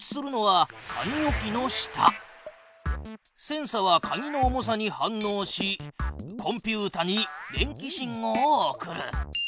センサは鍵の重さに反のうしコンピュータに電気信号を送る。